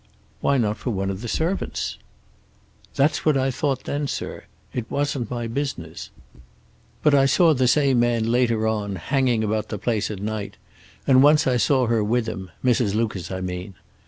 "Why not for one of the servants?" "That's what I thought then, sir. It wasn't my business. But I saw the same man later on, hanging about the place at night, and once I saw her with him Mrs. Lucas, I mean.